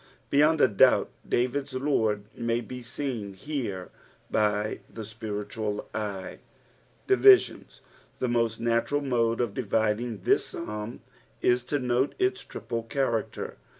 Beyond a doubt David' a Lord may be stin here by the spirittial eye. Dirmona. — The tnosi naturai mode cf dividing this Psalm is to note its triple character.